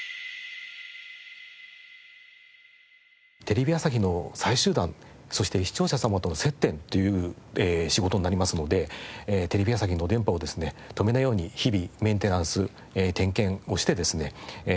テレビ朝日の最終段そして視聴者様との接点という仕事になりますのでテレビ朝日の電波をですね止めないように日々メンテナンス点検をしてですね